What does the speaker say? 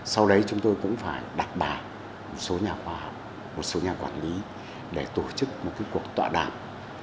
sau đấy chúng tôi cũng phải đặt bài một số nhà khoa học một số nhà quản lý để tổ chức một cuộc tọa đảng